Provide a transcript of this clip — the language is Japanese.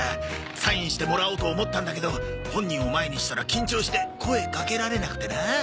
サインしてもらおうと思ったんだけど本人を前にしたら緊張して声かけられなくてな。